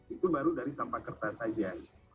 itu baru dari sampah kertas saja